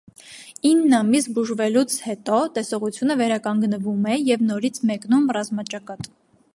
Ինն ամիս բուժվելուց հետո տեսողությունը վերականգնվում է և նորից մեկնում ռազմաճակատ։